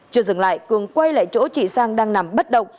chưa dừng lại cường quay lại chỗ chị sang đang nằm bất động